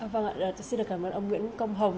vâng ạ tôi xin được cảm ơn ông nguyễn công hồng